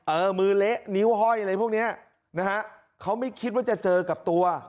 เออมือเละนิ้วห้อยอะไรพวกเนี้ยนะฮะเขาไม่คิดว่าจะเจอกับตัว